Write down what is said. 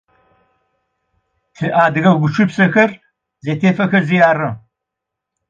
Ти адыгэ гущыпсэхэр зэтэфэхэзи ары.